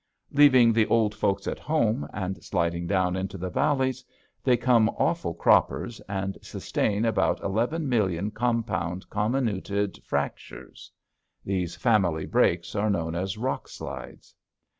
Leaving the old folks at home and sliding down into the valleys, they come awful croppers and sustain about eleven million compound comminuted fractures. These family breaks are known as rock slides.